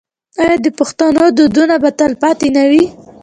آیا د پښتنو دودونه به تل پاتې نه وي؟